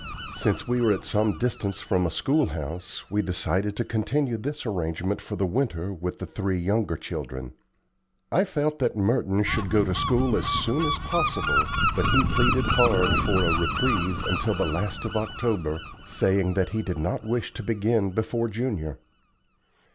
Since we were at some distance from a schoolhouse we decided to continue this arrangement for the winter with the three younger children. I felt that Merton should go to school as soon as possible, but he pleaded hard for a reprieve until the last of October, saying that he did not wish to begin before Junior.